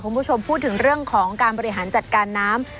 คุณผู้ชมพูดถึงเรื่องของการบริหารจัดการน้ำ